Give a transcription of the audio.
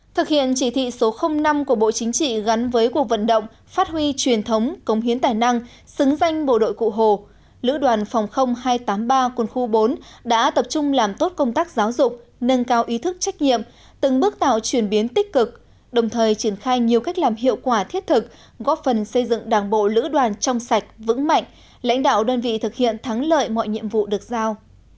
thực hiện chỉ thị số năm của bộ chính trị gắn với cuộc vận động phát huy truyền thống công hiến tài năng xứng danh bộ đội cụ hồ lữ đoàn phòng hai trăm tám mươi ba quân khu bốn đã tập trung làm tốt công tác giáo dục nâng cao ý thức trách nhiệm từng bước tạo chuyển biến tích cực đồng thời triển khai nhiều cách làm hiệu quả thiết thực góp phần xây dựng đảng bộ lữ đoàn trong sạch vững mạnh lãnh đạo đơn vị thực hiện thắng lợi mọi nhiệm vụ được giao